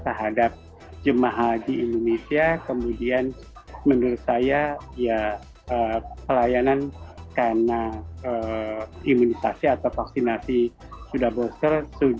sehadap jemaah haji indonesia kemudian menurut saya pelayanan karena imunisasi atau vaksinasi sudah bolster